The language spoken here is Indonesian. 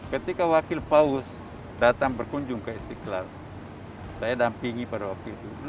ketika wakil paus datang berkunjung ke istiqlal saya dampingi pada waktu itu